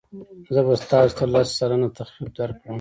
زه به تاسو ته لس سلنه تخفیف درکړم.